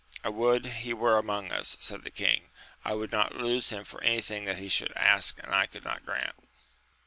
I would he were among us, said the king, I would not lose him for anything that he could ask and I could grant.